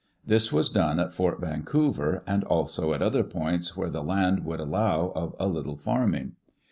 This was done at Fort Vancouver, and also at other points where the land would allow of a little farming.